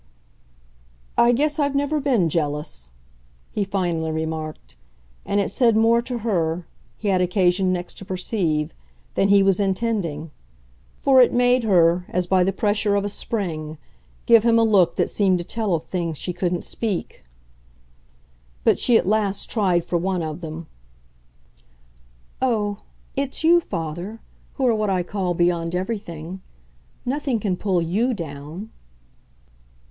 "I guess I've never been jealous," he finally remarked. And it said more to her, he had occasion next to perceive, than he was intending; for it made her, as by the pressure of a spring, give him a look that seemed to tell of things she couldn't speak. But she at last tried for one of them. "Oh, it's you, father, who are what I call beyond everything. Nothing can pull YOU down."